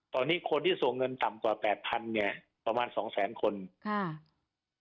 ตอนนี้คนที่ส่งเงินต่ำกว่าแปดพันเนี่ยประมาณสองแสนคนค่ะ